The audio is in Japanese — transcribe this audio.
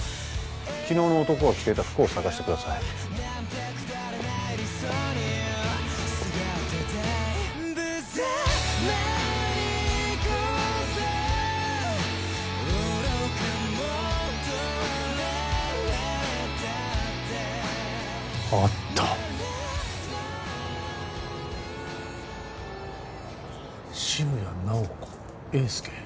昨日の男が着ていた服を探してくださいあった「渋谷直子・英輔」